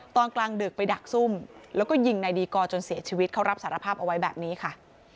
ตอนกลางดึกไปดักซุ่มแล้วก็ยิงนายดีกอร์จนเสียชีวิตเขารับสารภาพเอาไว้แบบนี้ค่ะ